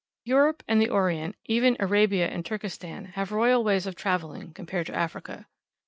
Europe and the Orient, even Arabia and Turkestan, have royal ways of travelling compared to Africa.